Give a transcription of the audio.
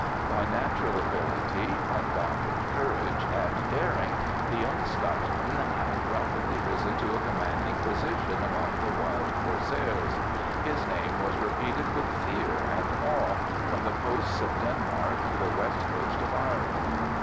By natural ability, unbounded courage and daring the young Scotchman had rapidly risen to a commanding position among the wild corsairs; his name was repeated with fear and awe from the coasts of Denmark to the west coast of Ireland.